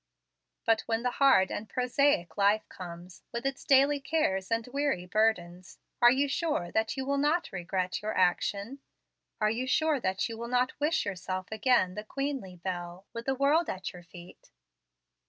"But when the hard and prosaic life comes, with its daily cares and weary burdens, are you sure that you will not regret your action? are you sure that you will not wish yourself again the queenly belle, with the world at your feet?"